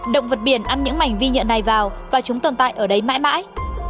động vật biển ăn những mảnh vi nhựa này vào và chúng tồn tại ở đấy mãi mãi